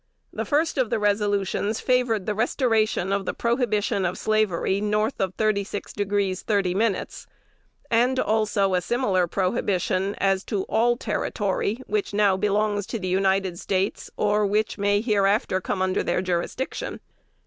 The first of the resolutions favored the restoration of the prohibition of slavery north of 36° 30', and also a similar prohibition as to "all territory which now belongs to the United States, or which may hereafter come under their jurisdiction."